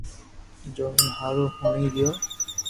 جوئين حآرون ھوئي گيو